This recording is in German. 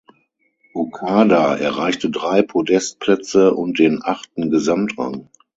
Okada erreichte drei Podestplätze und den achten Gesamtrang.